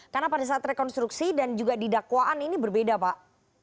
karena pada saat rekonstruksi dan juga di dakwaan ini berbeda pak